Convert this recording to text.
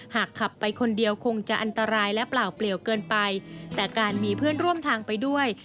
หากขับไปคนเดียวคงจะอันตรายและเปล่าเปลี่ยวเกินไปแต่การมีเพื่อนร่วมทางไปด้วย